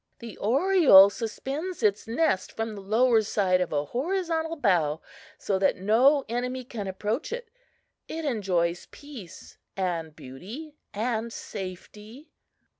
"The oriole suspends its nest from the lower side of a horizontal bough so that no enemy can approach it. It enjoys peace and beauty and safety."